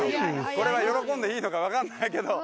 これは喜んでいいのか分かんないけど。